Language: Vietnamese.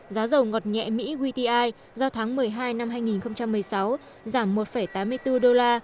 giá dầu ngọt nhẹ mỹ wti giao tháng một mươi hai năm hai nghìn một mươi sáu giảm một tám mươi bốn đô la